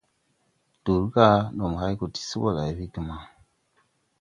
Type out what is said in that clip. Dur ga ndo mo hay go ti se ɓo lay wegema.